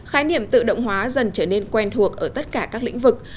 khái niệm tự động hóa dần trở nên quen thuộc ở tất cả các lĩnh vực